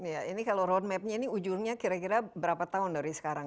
ya ini kalau road map nya ini ujungnya kira kira berapa tahun dari sekarang